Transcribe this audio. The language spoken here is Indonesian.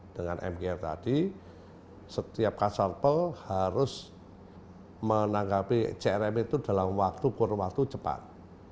dengan mgr tadi setiap kasalple harus menanggapi crm itu dalam waktu kurun waktu cepat